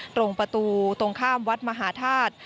ตรงประตูตรงข้ามวัดมหาธาตุ